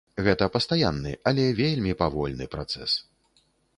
Гэта пастаянны, але вельмі павольны працэс.